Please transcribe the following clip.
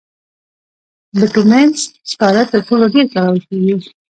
بټومینس سکاره تر ټولو ډېر کارول کېږي.